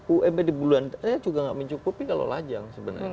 ump di belanda itu juga tidak mencukupi kalau lajang sebenarnya